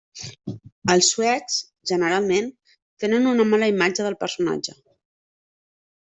Els suecs, generalment, tenen una mala imatge del personatge.